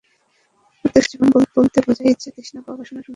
প্রত্যেক সমাজে জীবন বলতে বুঝায় ইচ্ছা তৃষ্ণা বা বাসনাসমূহের সংযম।